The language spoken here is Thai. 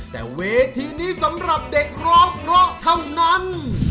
แต่เวทีนี้สำหรับเด็กร้องเพราะเท่านั้น